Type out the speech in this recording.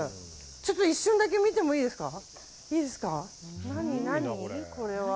ちょっと一瞬だけ見てもいいですか。